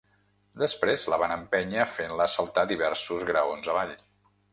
Després la van empènyer fent-la saltar diversos graons avall.